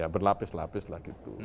berlapis lapis lah gitu